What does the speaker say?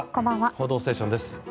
「報道ステーション」です。